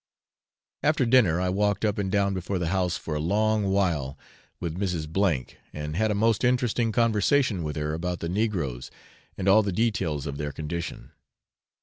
After dinner I walked up and down before the house for a long while with Mrs. F , and had a most interesting conversation with her about the negroes and all the details of their condition.